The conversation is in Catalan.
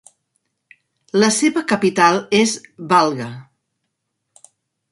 La seva capital és Valga.